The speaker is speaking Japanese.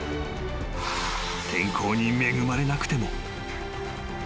［天候に恵まれなくても］